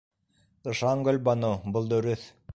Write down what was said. Ышан, Гөлбаныу: был дөрөҫ.